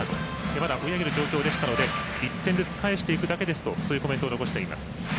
まだ追い上げる状況だったので１点ずつ返していくだけですとそういうコメントを残しています。